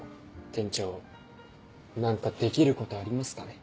店長何かできることありますかね？